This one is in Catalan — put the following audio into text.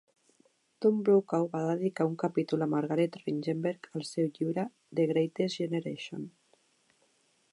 Tom Brokaw va dedicar un capítol a Margaret Ringenberg al seu llibre "The Greatest Generation".